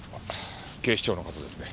警視庁の方ですね。